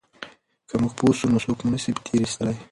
که موږ پوه سو نو څوک مو نه سي تېر ایستلای.